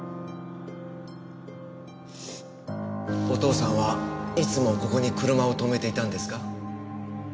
お父さんはいつもここに車を止めていたんですか？